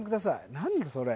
何それ？